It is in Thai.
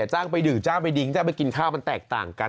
จ้างไปดื่มจ้างไปดิ้งจ้างไปกินข้าวมันแตกต่างกัน